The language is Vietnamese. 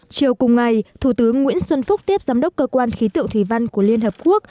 chiều cùng ngày thủ tướng nguyễn xuân phúc tiếp giám đốc cơ quan khí tượng thủy văn của liên hợp quốc